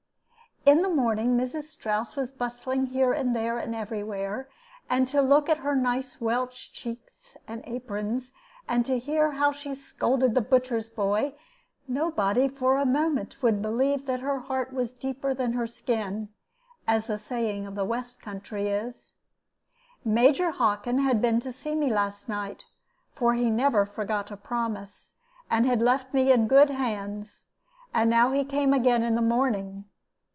In the morning Mrs. Strouss was bustling here and there and every where, and to look at her nice Welsh cheeks and aprons, and to hear how she scolded the butcher's boy, nobody would for a moment believe that her heart was deeper than her skin, as the saying of the west country is. Major Hockin had been to see me last night, for he never forgot a promise, and had left me in good hands, and now he came again in the morning.